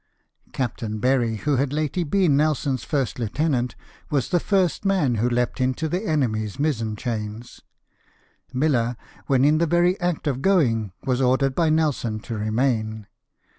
Captain Berry, who had lately been Nelson's first lieutenant, was the first man who leaped into the enemy's mizen chains. Miller, when in the very act of going, was ordered by Nelson to remain.